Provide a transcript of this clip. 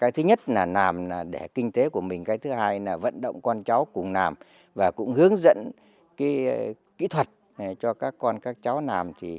thứ nhất là nàm để kinh tế của mình thứ hai là vận động con cháu cùng nàm và cũng hướng dẫn kỹ thuật cho các con các cháu nàm